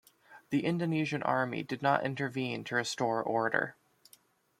The Indonesian army did not intervene to restore order.